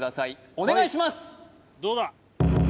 お願いします！